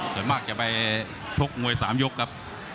ส่วนมากจะไปชกมวย๓ยกครับ